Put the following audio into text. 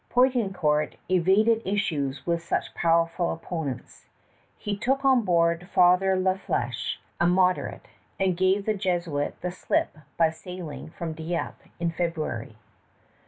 Poutrincourt evaded issues with such powerful opponents. He took on board Father La Fléché, a moderate, and gave the Jesuit the slip by sailing from Dieppe in February.